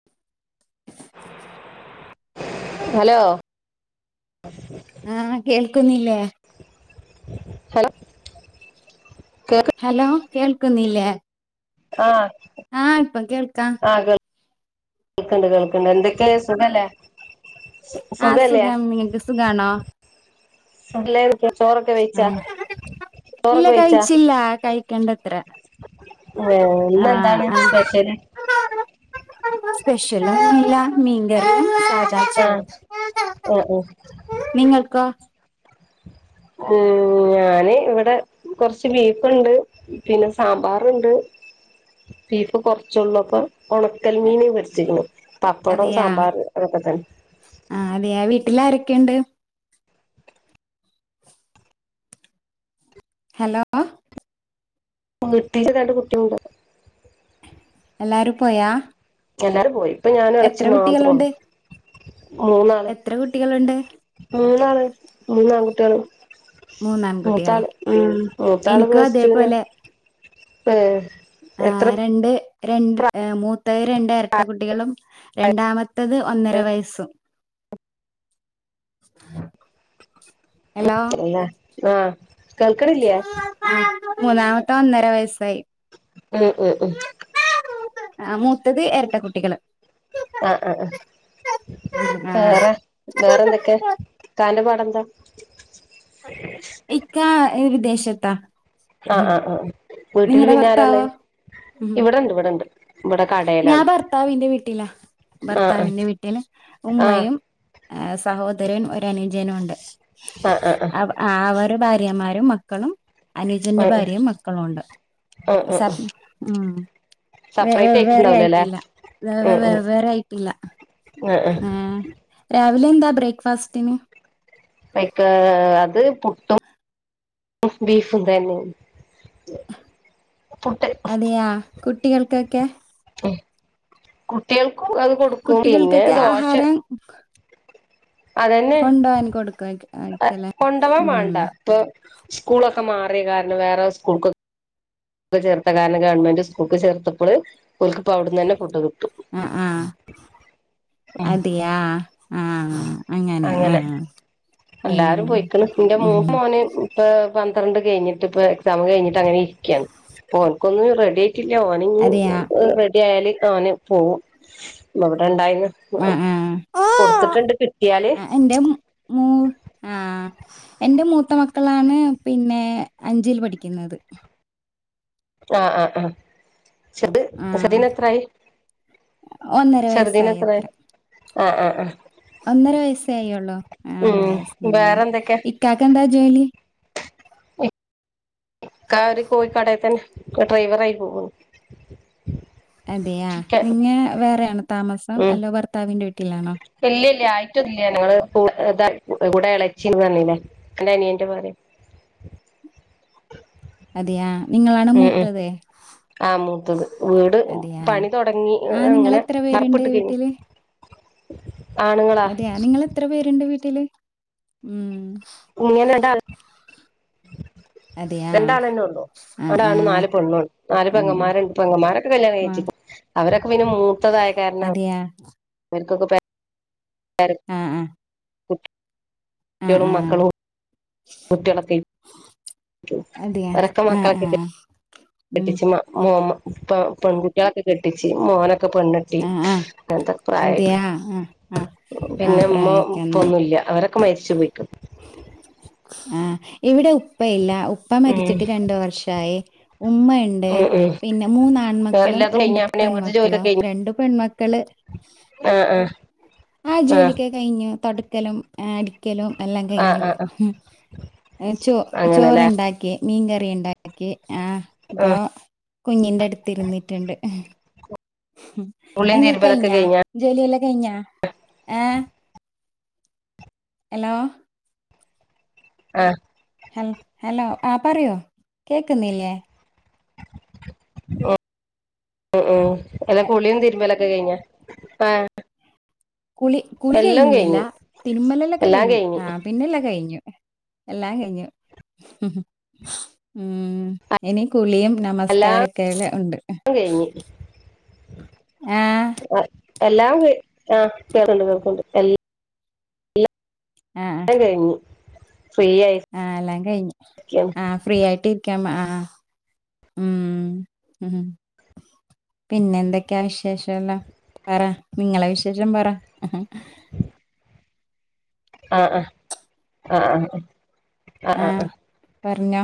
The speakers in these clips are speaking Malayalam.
[inaudible] ഹലോ? [unintelligible] ആ കേൾക്കുന്നില്ലേ? ഹലോ കേക് ഹലോ കേൾക്കുന്നില്ലേ? ആഹ് ആഹ് ഇപ്പം കേൾക്കാ ആ കെ കേൾക്കണ്ട് കേൾക്കണ്ട് എന്തൊക്കെ സുഖല്ലേ? ആഹ സുഖല്ലേ സുഖം നിങ്ങക്ക് സുകാണോ സുഖല്ലേ ചോറൊക്കെ വെയിച്ചാ ഇല്ല ചോറൊക്കെ കഴിച്ചില്ല കഴിക്കണ്ടത്രെ ഏ ഇന്ന് എന്താണ് സ്പെഷ്യല്. സ്പെഷ്യല് എല്ല മീൻ കറിം സാധാ ആഹ് ചോറ് ആഹ് ആഹ് ഉം നിങ്ങൾക്കോ [unintelligible] ഞാന് ഇവിടെ കൊറച്ച് ബീഫുണ്ട്. പിന്നെ സാമ്പാറുണ്ട്. ബീഫ് കുറച്ചള്ളൂപ്പം ചെമ്മീന്മീന് പെരച്ചിക്ക്ണ് പപ്പടം സാമ്പാർ അതൊക്കെ തന്നെ. ആ അതെയ വീട്ടിൽ ആരൊക്കെണ്ട്. ഹലോ? അനിയത്തിന്റെ രണ്ട് കുട്ടിയള്ണ്ട്. എല്ലാരും പോയാ എല്ലാരും പോയി ഇപ്പം ഞാനും എത്ര ഇളച്ചിം മാത്രള്ളു. കുട്ടികളുണ്ട് മൂന്നാള് എത്ര കുട്ടികളുണ്ട് മൂന്നാള് മൂന്ന്ആൺകുട്ടിയാള്. മൂന്നാൺകുട്ടികൾ മൂത്താള് മ് മൂത്താള് എനിക്കും പ്ലസ്റ്റുന് അതേപോലെ ഏ ആ എത്ര രണ്ട് രണ്ട് മൂത്ത രണ്ട് ഇരട്ട കുട്ടികളും രണ്ടാമ ഇത് ഒന്നര വയസ്സും. ഹലോ [unintelligible] ആ കേൾക്കണില്ലേ? ആ മൂന്നാമത്തെ ഒന്നര വയസ്സായി. ഉം ഉം ഉം ആ മൂത്തത് എരട്ട കുട്ടികള്. ആ ആ ആ ആ വേറെ വേറെന്തൊക്കെ ഇക്കാന്റെ പാടെന്താ. ഇക്കാ വിദേശത്താ ആഹ് ആഹ് ആഹ് വീട്ടില് നിങ്ങടെ പിന്നെ ആരാള്ളെ ഭർത്താവോ? ഇവിടെണ്ട് ഇവിടെണ്ട് ഇവിടെ ഞാ കടേലാണ് ഭർത്താവിന്റെ വീട്ടിലാ ആഹ് ഭർത്താവിന്റെ വീട്ടില് ആഹ് ഉമ്മയും സഹോദരൻ, ഒരനുജനുണ്ട്. ആ ആ ആ ആ അവര് ഭാര്യമാരും മക്കളും അനുജന്റെ ആഹ് ഭാര്യയും മക്കളുണ്ട് ആഹ് ആഹ് സ ആഹ് ഉം വെ സെപ്പറേറ്റ് വെവ്വേറെ ആയിട്ടുണ്ടാവൂലല്ലേ ആയിട്ടില്ല വേ വെ ഉം ഉം വെവ്വേറെ ആയിട്ടില്ല ആഹ് രാവിലെ എന്താ ബ്രേക്ഫാസ്റ്റ്ന് ഐക്ക് അത് പുട്ടും ബീഫും തന്നെ പുട്ട് അതെയാ കുട്ടികൾകൊക്കെ കുട്ടികൾക്കും അത് കൊടുക്കും പിന്നെ കുട്ടികൾക്കൊക്കെ ദോശ ആഹാരം അതന്നെ കൊണ്ടോവാൻ കൊടുക്ക ആയിക്കലേ ഉം പ്പ സ്കൂളൊക്കെ മാറി കാരണം വേറെ സ്കൂൾക് ചേർത്ത കാരണം ഗവൺമെന്റ് സ്കൂൾക്ക് ചേർത്തപ്പള് ഓൽക്ക്പ്പവ്ട്ന്നന്നെ ഫുഡ്‌ കി ആ ആ അതെയാ ആഹ് അങ്ങനെ ഉം എല്ലാരും പോയിക്കണ് നിന്റെ ഉം മൂത്ത മോന് ഇപ്പ പന്ത്രണ്ട് കഴിഞ്ഞിട്ട് ഇപ്പ എക്സാം കഴിഞ്ഞിട്ട് അങ്ങനെ ഇരിക്കയാണ് ഓൻക്കൊന്ന് റെഡി ആ ട്ട്ല്ല ഓന അതെയാ റെഡി ആയല് ഓന് പോകും ഇവിടെണ്ടായിന്ന് ആഹ് ആഹ് കൊടുത്തിട്ടുണ്ട് കിട്ടിയാല് ആ എന്റെ മൂ ആഹ് എന്റെ മൂത്ത മക്കളാണ് പിന്നെ അഞ്ചിൽ പഠിക്കുന്നത് ആഹ് ആ ആഹ് ചെർത് ആ ചെർതിനെത്രായി ഒന്നര വയസ്സായി ചെർതിനെത്രായി അത്ര ആഹ് ആഹ് ആഹ് ഒന്നര വയസ്സായിള്ളോ ആ ഉം ഒന്നര വയസ് വേറെന്തൊക്കെ ഇക്കാക്ക് എന്താ ജോലി ഇക്കാ ഒര് കോയി കടേ തന്നെ ഡ്രൈവർ ആയി പോകുന്നു അതെയാ ചിക്കൻ നിങ്ങ വേറെ ആണോ താമസം ഉം അല്ലോ ഭർത്താവിന്റെ വീട്ടിലാണോ ഇല്ല ഇല്ല ആയിട്ടൊന്നില്ല ഞങ്ങള്ത കൂടെ ഇളച്ചിന്ന് പറന്നില്ല എല്ല അനിയന്റെ ഭാര്യ അതെയാ നിങ്ങളാണ് മൂത്തത് ആഹ് മൂത്തത് വീട് അതെയാ പണി തൊടങ്ങി ആ നിങ്ങൾ അങ്ങനെ എത്ര പേരുണ്ട് വർപ്ട്ട് കയ്ഞ്ഞു വീട്ടില് അതെയ നിങ്ങളെത്ര പേര്ണ്ട് വീട്ടില് ഉം ഇങ്ങനട അതെയാ രണ്ടാളന്നെള്ളു ആ ആ ഒരാണും നാല് പെണ്ണുആണ് നാല് അതെ പെങ്ങന്മാരണ്ട് പെങ്ങന്മാരൊക്കെ കല്യാണം ആ കഴിച്ചിക്ക്ണ് അവരൊക്കെ പിന്നെ മൂത്തതായ കാരണം നിയാ അവർക്കൊക്കെ പേ [unintelligible] പേര ആ ആ [unintelligible] കുട്ട്യാ [unintelligible] ആ കുട്ട്യാളും ആ മക്കളും കുട്ട്യാളൊക്കെ അതെയ ഒരക്കെ ആഹ് മക്കളൊക്കെ ആഹ് ഉം കെട്ടിച് മാ മോമ പെൺകുട്ട്യാളൊക്കെ കെട്ടിച് മോനൊക്കെ പെണ്ണേ ട്ടി ആഹ് ആഹ് അങ്ങൻത്തെ പ്രായ അതെയ ആഹ് ആഹ് ആഹ് പിന്നെ ഇമ്മ പ്രായക്കന്ന് ഇപ്പൊന്നുല്ല അവരൊ ക്കെ മരിച്ചുപയ്ക്ണ് ആഹ് ഇവിടെ ഉപ്പയില്ല ഉപ്പ ഉം മരിച്ചിട്ട് രണ്ട് വർഷായി ഉമ്മ ണ്ട് ഉം ഉം പിന്നെ മൂന്നാൺമക്കളും എല്ലാതും രണ്ട് കഴിഞ്ഞാ പിന്നെ വീട്ടിലെ പെൺമക്കളു ജോലിയൊക്കെ ആ കഴിഞ്ഞോ രണ്ട് പെൺമക്കള് ആഹ് ആഹ് ആഹ് ജോലിക്കെ കയ്ഞ്ഞു തൊടക്കലും അടിക്കലു എല്ലാം ആഹ് കയ്ഞ്ഞു ആഹ് ആഹ് ചോ ചോറ് അങ്ങനെല്ലേ ണ്ടാക്കി മീങ്കറി ണ്ടാക്കി ആ പ്പൊ ആഹ് കുഞ്ഞിന്റട്ത്ത് ഇര്ന്നിട്ട് ണ്ട് കുളിയും നിങ്ങ തിരുമ്പലൊക്കെ കഴിഞ്ഞാ കയ്ഞ്ഞാജോലി യല്ലാം കയ്ഞ്ഞാ ഹലോ ആഹ് ഹൽ ഹലോ ആ പറയൂ കേക്ന്നീല്ലേ ഉം ഉ ഉം അല്ലാ എ കുളിയും തിര്മ്പലൊക്കെ കയ്ഞ്ഞ ആഹ് കുളി കുളി എല്ലാം കയ്ഞ്ഞില്ല കഴിഞ്ഞ് തിരുമ്മലല്ലൊക്കെ എല്ലാം കയ്ഞ്ഞു കഴിഞ്ഞ് ആ പിന്നെല്ലാം കയ്ഞ്ഞു എല്ലാം കയ്ഞ്ഞു ഉം എനി കുളിയും എല്ലാം നമസ്കാരൊക്കെ ഉണ്ട് കഴിഞ്ഞ് ആഹ് എല്ലാം ആ കേക്ക്ണ്ട് കേക്ക്ണ്ട് ല്ലാം കയ്ഞ് ഫ്രീ ആയി ആഹ് എല്ലാം കയ്ഞ് ആഹ് ഫ്രീ ആയ്ട്ടിരിക്കാം ആഹ് ഉം പിന്നെ എന്തൊക്കെയാ വിശേഷഉള്ളെ പറ നിങ്ങളെ വിശേഷം പറ ആഹ് ആഹ് അ അ അ ആഹ് പർഞ്ഞോ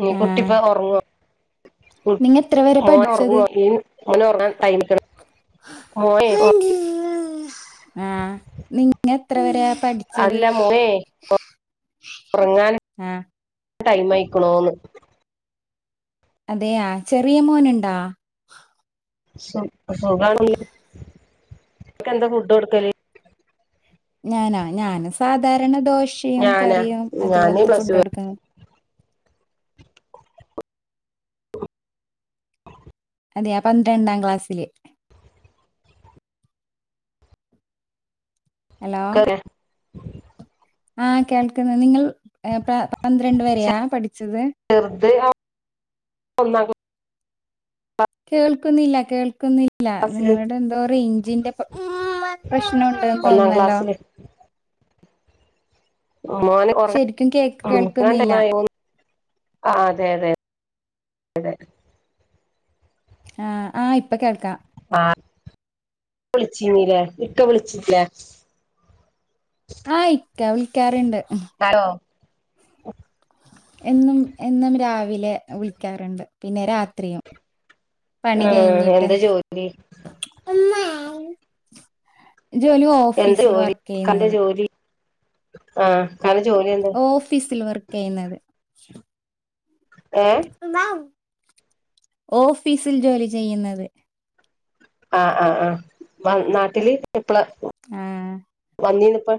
ഉം കുട്ടിപ്പ ഒർങ്ങും ഉം നിങ്ങ എത്ര വരെ പഠിച്ചത് മോനൊറങ്ങുവൊ ഈ [inaudible] മോനൊറങ്ങാ ടൈമി [inaudible] ക്കണ് മോനേയ് ആഹ് നിങ്ങത്ര വരെ പഠിച്ചത് അല്ല മോനെ ഉറങ്ങാൻ ആഹ് ടൈം ആയ്ക്ക്ണോന്ന് അതെയാ ചെറിയ മോന്ണ്ടാ സു സുഖാണല്ലോ [inaudible] ന്താ ഫുഡോടുക്കല്ന്ന് ഞാനാ ഞാന് സാധാരണ ദോശയും ഞാനാ കറിയും ഞാന് അതുപോൽത്തെ ഫുഡ് പ്ലസ് കൊടുക്കും അതെയാ പന്ത്രണ്ടാം ക്ലാസ്സില് ഹലോ ടു ആഹ് കേൾക്ന്ന് നിങ്ങൾ പന്ത്രണ്ട് വരെയാ പഠിച്ചത് ചെർത് [inaudible] ഒന്നാം ക്ല കേൾക്കുന്നില്ല കേൾക്കുന്നി ഇല്ല ക്ലാസ്സില് നിങ്ങളുടെ എന്തോ റേഞ്ചിന്റെ പ്രശ്നം ഉണ്ട്ന്ന് ഒന്നാം തോന്നുന്നല്ലോ ക്ലാസ്സില് മോന് ഉറങ്ങാ ശരിക്കും കേക്ക് കേൾക്കുന്നില്ല [unintelligible] ആഹ് അതെ അതെ അതെ ആഹ് ആ ഇപ്പൊ കേൾക്കാം ആഹ് വിളിച്ചിന്നീല്ലേ ഇക്ക വിളിച്ചിന്നിലെ ആഹ് ഇക്ക വിളിക്കാറുണ്ട് ഹലോ [unintelligible] എന്നും എന്നും രാവിലെ വിളിക്കാറുണ്ട് പിന്നെ രാത്രിയും പണി ഉം കഴിഞ്ഞിട്ട് എന്താ ജോലി ജോലോ എന്ത് ജോലി ഇകന്റെ ജോലി ആഹ് ഇകന്റെ ജോലി എന്ത ഓഫീസിൽ വർക്ക് ചെയ്യുന്നത് ഏഹ് ഓഫീസിൽ ജോലി ചെയ്യുന്നത് ആഹ് ആ ആ നാട്ടില് എപ്പള ഏഹ് വന്നിന്നോ ഇപ്പോ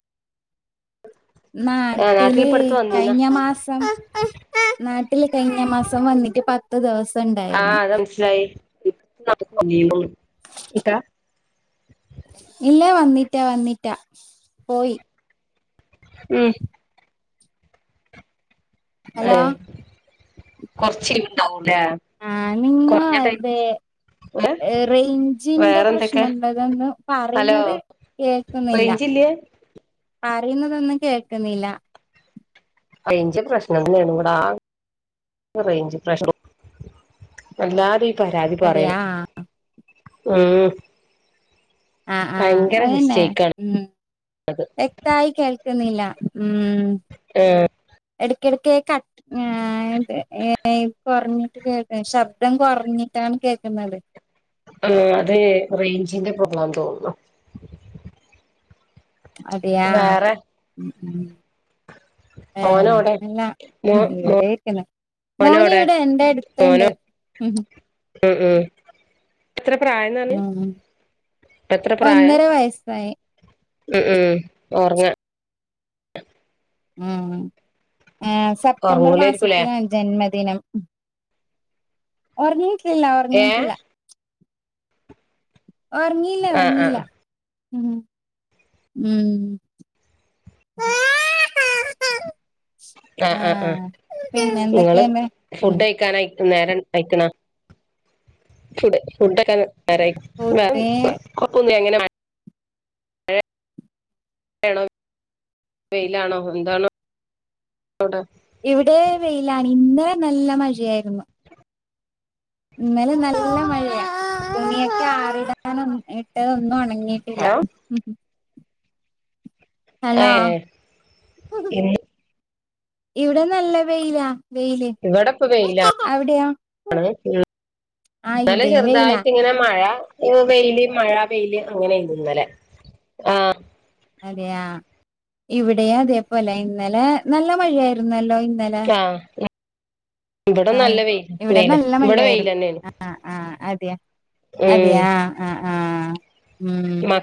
ആഹ് നാട്ടില് ഇപ്പടുത്ത് വന്നീനാ നാട്ടില്കഴിഞ്ഞ മാസം നാട്ടില് കഴിഞ്ഞ മാസം വന്നിട്ട് പത്ത് ദിവസം ഉണ്ടായിരുന്നു. കുട്ടി എത്ര ആയി ഇപ്പോ നാട്ടിക്ക് വന്നിന്നോ ഇക്ക ഇല്ല വന്നിട്ടാ വന്നിട്ടാ പോയി. മം ഹലോ ഏഹ് കൊറച് എരി ഉണ്ടാവൂലെ? അനങ്ങാതെ ഏഹ് റേഞ്ചിന്റെ പ്രശ്നം വേറെന്തൊക്കെ ഉണ്ടോ ഇതോന്ന് ഹലോ പറയുന്നത് കേൾക്കുന്നില്ല റേഞ്ചില്ലേ പറയുന്നതൊന്നും കേൾക്കുന്നില്ല റെഞ്ച്പ്രശ്നം തന്നെയാണ് ഇവിടെ ആകെ റെഞ്ച് പ്രശ്നം എല്ലാരുംഈ പരാതി പറയ്ണ് അതെയാ മ്മ് ആഹ് ആഹ് അതന്നെ മം വ്യക്തായി കേൾ കുന്നില്ല മം എഹ് എടക്കിടക്ക് കട്ട ഞാൻ ഇതെ ഏ കുറഞ്ഞിട്ട് കേൾക്ക ശബ്ദം കുറഞ്ഞിട്ടാണ് കേൾക്കുന്നത് ആഹ് അത് റേഞ്ചിന്റെ പോപ്ളാന്ന് തോന്നുന്നു. അതൊ ആ വേറെ മം മം ഏഹ് മോനോടെ വേറെന്ത് ന്നാ മോ ഇവിടെ ഇരിക്കുന്നു. മോൻ മോനോടെ ഇവിടെ എന്റെ അടുത് ഉണ്ട് മോനോ മം ഉം ഉം എത്ര പ്രായംന്ന് പറഞ് ഇപ്പൊ എത്രെ പ്രായം? ഒന്നര വയസ്സായി ഉം ഉം ഉറങ്ങാ ഉം ആ സെപ്റ്റംബർ ഉറങ്ങൂലായിരിക്കൂലേ മാസത്തിനാണ് ജന്മദിനം. ഉറങ്ങിട്ടില്ല ഏ ഉറങ്ങിയിട്ടില്ല ഉറങ്ങില്ലാ ആഹ് ആഹ് ഉറങ്ങിലാ മ്മ് മ് ആഹ് അഹ് ആ പിന്നെ ഇങ്ങള് എന്തൊക്കെയുണ്ട് ഫുഡ് കഴിക്കാനായി നേര ഉണ്ടായിക്ണോ ഫുഡ് ഫുഡൊക്കെ നേരയി കുട്ടി കൊയപ്പൊന്ന് എങ്ങനെ ന മഴ മഴയാണോവെയിലാണോ എന്താണ് തുട [unintelligible] ഇവിടെ വെയിലാണ് ഇന്നലെ നല്ല മഴയായിരുന്നു. ഇന്നലെ നല്ല മഴയാണ് തുണിയൊക്കെ ആറിടാൻ ഇട്ടത് ഒന്നും ഉണങ്ങി ട്ടില്ല മം ഏ ഹലോ ഇന്ന് ഇവിടെ നല്ല വെയില ഇവിടെ ഇപ്പോ വെയിലാണ് ആ ഇന്നലെ ഇവിടെയും വെയിലാ ചെറുതായിട്ട് ഇങ്ങനെ മഴ വെയില് മഴ വെയില് അങ്ങനെയിരുന്നു ഇന്നല്ലേ ആ അതെയ ഇവിടെയും അതെ പോലെ ഇന്നലെ നല്ല മഴയായിരുന്നല്ലോ ഇന്നലെ ആഹ് ഇവിടെ ആ നല്ല വെയില് ഇവിടെ വെയില നല്ല ഇവിടെ വെയില മഴയായിരുന്നു തന്നെയാണ് ആ ആ അതെയ അതെയ ഉം ആ ആ ആ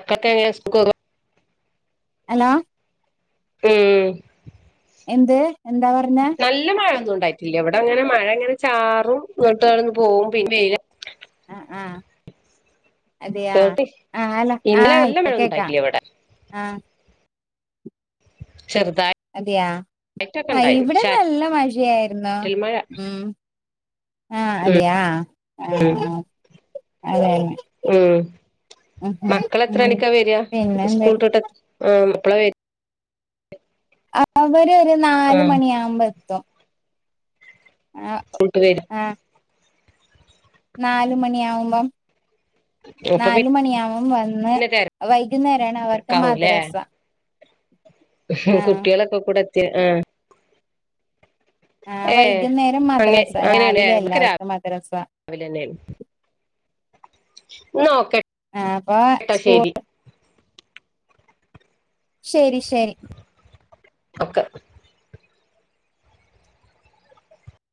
ആക്ക [inaudible] ഹലോ ഏയ് എന്ത് എന്താ പറഞ്ഞെ നല്ല മഴൊന്നും ഇണ്ടായിട്ടില്ല ഇവടെ അങ്ങനെ മഴ ഇങ്ങനെ ചാറും ഇങ്ങട്ട്ന്ന് പോവും പിന്നെ വെയില ആഹ് ആഹ് അതയാ ആഹ് അല്ല ഇന്നലെ ആഹ് നല്ല ഇപ്പ മഴ ഒന്നും കേക്കാം ഉണ്ടായിട്ടില്ല ഇവിടെ ആഹ് ചെറ്തായ് അതെയാ ആഹ് ഇവിടെ ചാറ്റൽ നല്ല മഴയായിരുന്നു മഴ ഉം ആഹ് അതെയാ ആഹ് ആഹ് അതെ ഉം മക്കള ഉം എത്രണിക്കാ വര്യാ പിന്നെ എന്ത സ്കൂൾട്ട്ട്ട് ആഹ് മ എപ്പ്ളാ വര് അവര് ഒരു നാല് ആ മണിയാവുമ്പ എത്തും ആണവ് കൂള്‌ട്ട് വരും നാല് മണിയാവുമ്പം അപ്പൊ നാലുമണിയാവും വന്ന് പിന്നെ വൈകുന്നേരാണ് അവർക്ക് മദ്രസ ഉം ആ കുട്ടികളൊക്കെ കൂടെ എത്തി ആഹ് ആ ഏഹ് വൈകുന്നേരം അങ്ങെ മദ്രസ അങ്ങനേണ്ലേ രാവിലെ ഇവക്ക് രാവ് എല്ലാവർക്കും മദ്രസ വിലെന്നേണ് ന്നഓക്കെ ആപ്പൊ സ്കൂൾ ശരി ശരി ഒക്കെ